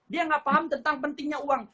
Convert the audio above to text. dia nggak paham tentang pentingnya uang